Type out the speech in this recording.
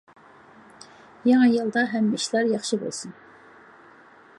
يېڭى يىلدا ھەممە ئىشلار ياخشى بولسۇن!